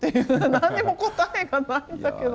何にも答えがないんだけど。